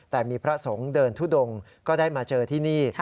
แต่มีพระสงฆ์เดินทุดงก็ได้มาเจอที่นี่